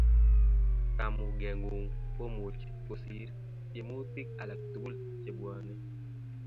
Kamugengung komuchu kosir tiemutik alak tugul che bwoni